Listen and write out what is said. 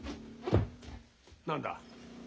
何だ？